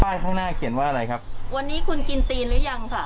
ข้างหน้าเขียนว่าอะไรครับวันนี้คุณกินตีนหรือยังค่ะ